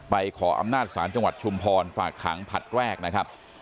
ขออำนาจศาลจังหวัดชุมพรฝากขังผลัดแรกนะครับ